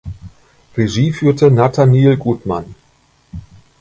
Regie führte Nathaniel Gutman.